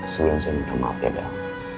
sebelum saya minta maaf ya